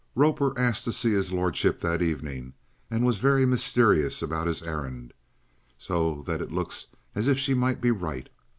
Roper asked to see his lordship that evening and was very mysterious about his errand, so that it looks as if she might be right.